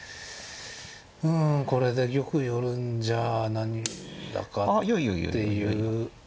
うんこれで玉寄るんじゃ何だかっていう。